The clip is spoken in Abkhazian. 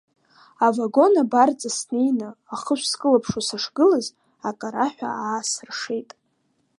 Авагон абарҵа снеины, ахышә скылыԥшуа сышгылаз, акараҳәа аасыршеит.